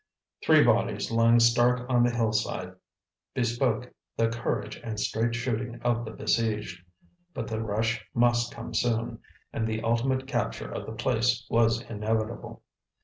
Three bodies lying stark on the hillside bespoke the courage and straight shooting of the besieged, but the rush must come soon, and the ultimate capture of the place was inevitable.